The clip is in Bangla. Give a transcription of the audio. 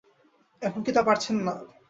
এখন কি তা পারছেন না?